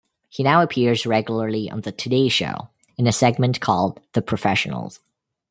He now appears regularly on the "Today Show", in a segment called "The Professionals".